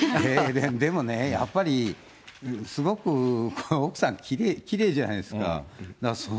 えー、でもね、やっぱり、すごく奥さん、きれいじゃないですか。